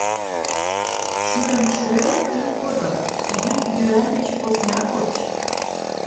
«Шӱрым шрӧ-ӧ-ӧп ит подыл, йӱк-йӱан деч посна коч».